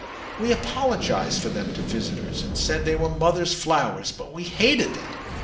We apologized for them to visitors and said they were mother's flowers, but we hated them.